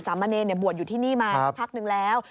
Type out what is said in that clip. แซมเบ่นนิบวกอยู่ที่นี่มาพักหนึ่งแล้ว